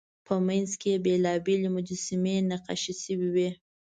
په منځ کې یې بېلابېلې مجسمې نقاشي شوې وې.